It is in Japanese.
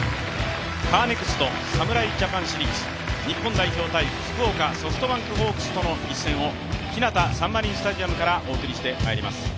カーネクスト侍ジャパンシリーズ日本代表×福岡ソフトバンクホークスとの一戦をひなたサンマリンスタジアムからお送りしてまいります。